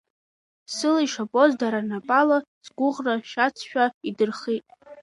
Сыла ишабоз дара рнапала, сгәыӷра шьацшәа идырхит…